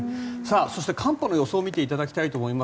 そして、寒波の予想を見ていきたいと思います。